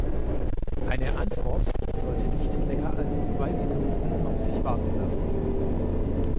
Eine Antwort sollte nicht länger als zwei Sekunden auf sich warten lassen.